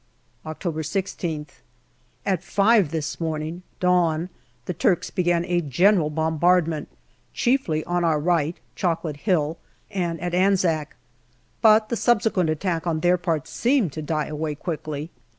October 16th. At five this morning (dawn) the Turks began a general bombardment, chiefly on our right (Chocolate Hill) and at Anzac, but the subsequent attack on their part seemed to die away quickly.